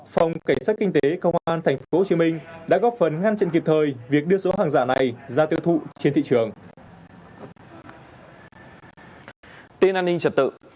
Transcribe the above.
phòng cảnh sát kinh tế công an tp hcm đã góp phần ngăn chặn kịp thời việc đưa số hàng giả này ra tiêu thụ trên thị trường